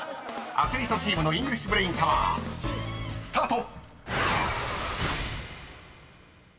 アスリートチームのイングリッシュブレインタワースタート！］